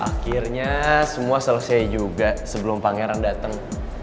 akhirnya semua selesai juga sebelum pangeran datang